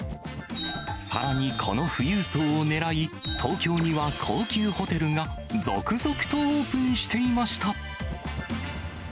さらにこの富裕層を狙い、東京には高級ホテルが続々とオープンしていました。